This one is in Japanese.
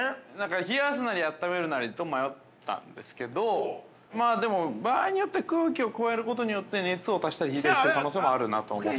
◆冷やすなり温めるなりと迷ったんですけど、でも場合によっては空気を加えることによって熱を足したり引いたりしてる可能性もあるなと思って。